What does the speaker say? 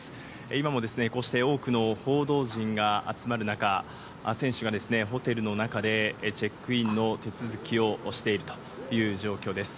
今もこうして多くの報道陣が集まる中、選手がですね、ホテルの中でチェックインの手続きをしているという状況です。